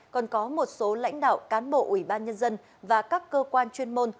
còn có một số lãnh đạo cán bộ ubnd và các cơ quan chuyên môn